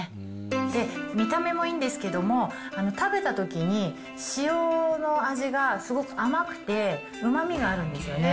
で、見た目もいいんですけれども、食べたときに、塩の味がすごく甘くて、うまみがあるんですよね。